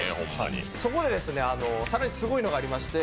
そこで更にすごいのがありまして、